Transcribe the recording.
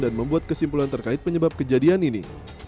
dan membuat kesimpulan terkait penyebab kejadian ini